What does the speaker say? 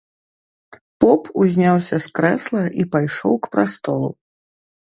Поп узняўся з крэсла і пайшоў к прастолу.